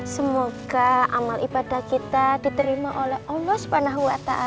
semoga amal ibadah kita diterima oleh allah swt